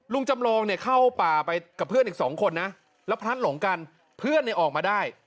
ลุงจำลองเข้าป่าไปกับเพื่อนอีก๒คนนะแล้วพลัดหลงกันเพื่อนออกมาได้